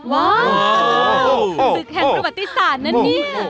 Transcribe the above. ว๊าวเวิมแพดประติศาสน์นะเนี้ย